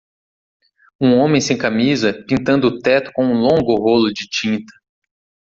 Um homem sem camisa, pintando o teto com um longo rolo de tinta.